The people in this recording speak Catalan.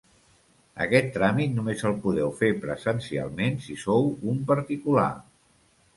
Aquest tràmit només el podeu fer presencialment si sou un particular.